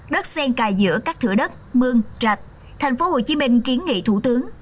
đất sen cài giữa các thửa đất mương rạch tp hcm kiến nghị thủ tướng